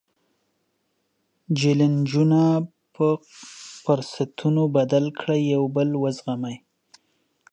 جیلنجونه په فرصتونو بدل کړئ، یو بل وزغمئ.